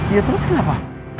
ya terus kenapa